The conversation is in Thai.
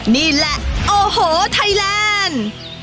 นี่แหละโอ้โหไทยแลนด์